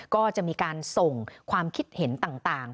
ก็จะมีการส่งความคิดเห็นต่าง